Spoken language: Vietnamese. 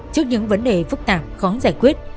trước những vấn đề phức tạp khó giải quyết